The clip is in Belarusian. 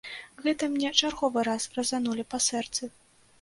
Гэта мне чарговы раз разанулі па сэрцы.